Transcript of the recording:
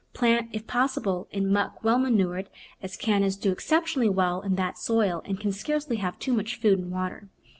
Plant, if possible, in muck well manured, as Cannas do exceptionally well in that soil and can scarcely have too much food and water.